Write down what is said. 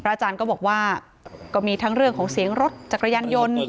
อาจารย์ก็บอกว่าก็มีทั้งเรื่องของเสียงรถจักรยานยนต์